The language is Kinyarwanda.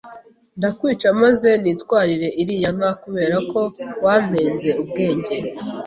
ndakwica maze nitwarire iriya nka kubera ko wampenze ubwenge